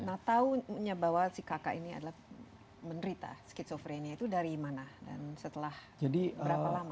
nah tahunya bahwa si kakak ini adalah menderita skizofrenia itu dari mana dan setelah berapa lama